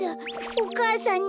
お母さんに！